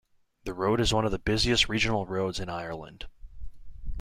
The road is one of the busiest Regional Roads in Ireland.